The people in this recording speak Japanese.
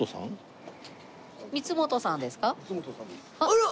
あら！？